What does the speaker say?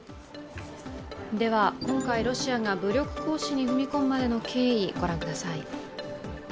では、今回、ロシアが武力行使に踏み込むまでの経緯、御覧ください。